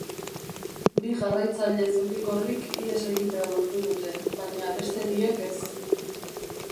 Bi jarraitzaile zuri-gorrik ihes egitea lortu dute, baina beste biek ez.